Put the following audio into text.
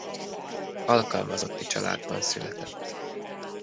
Alkalmazotti családban született.